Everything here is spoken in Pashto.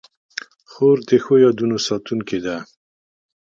خور د ښو یادونو ساتونکې ده.